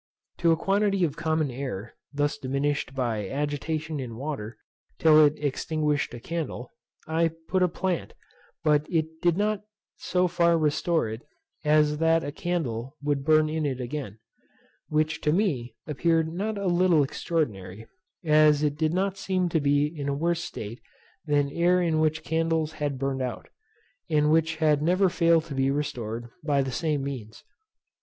To a quantity of common air, thus diminished by agitation in water, till it extinguished a candle, I put a plant, but it did not so far restore it as that a candle would burn in it again; which to me appeared not a little extraordinary, as it did not seem to be in a worse state than air in which candles had burned out, and which had never failed to be restored by the same means.